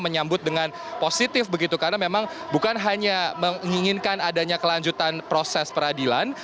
menyambut dengan positif begitu karena memang bukan hanya menginginkan adanya kelanjutan proses peradilan